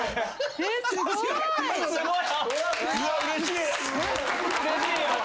すごい。